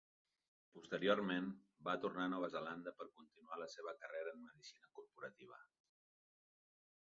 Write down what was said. Posteriorment, va tornar a Nova Zelanda per continuar la seva carrera en la medicina corporativa.